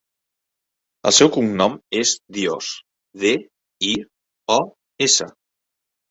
El seu cognom és Dios: de, i, o, essa.